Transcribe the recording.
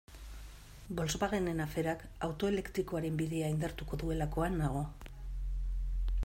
Volkswagenen aferak auto elektrikoaren bidea indartuko duelakoan nago.